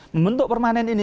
membentuk permanen ini